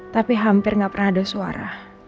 tapi hampir nggak pernah ada suara